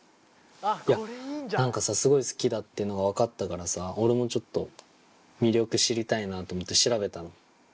いや何かさすごい好きだっていうのが分かったからさ俺もちょっと魅力知りたいなと思って調べたの。